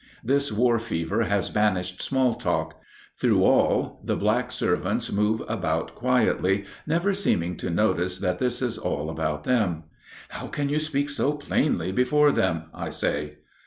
This war fever has banished small talk. Through all the black servants move about quietly, never seeming to notice that this is all about them. "How can you speak so plainly before them?" I say.